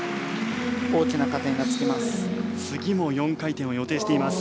大きな加点がつきます。